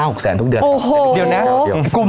สวัสดีครับ